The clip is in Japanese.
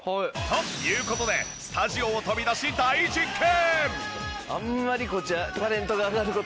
という事でスタジオを飛び出し大実験！